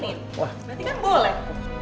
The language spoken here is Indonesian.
berarti kan boleh